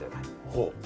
ほう。